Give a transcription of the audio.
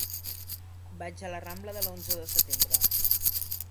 Vaig a la rambla de l'Onze de Setembre.